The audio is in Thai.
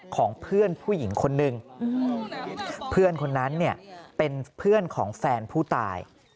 ของเพื่อนผู้หญิงคนนึงเพื่อนคนนั้นเนี่ยเป็นเพื่อนของแฟนผู้ตาย